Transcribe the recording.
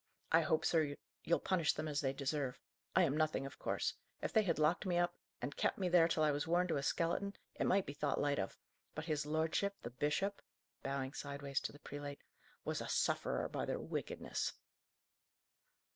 I hope, sir, you'll punish them as they deserve. I am nothing, of course. If they had locked me up, and kept me there till I was worn to a skeleton, it might be thought light of; but his lordship, the bishop" bowing sideways to the prelate "was a sufferer by their wickedness."